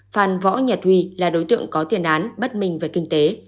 phan võ nhật huy là đối tượng có tiền án bất minh về kinh tế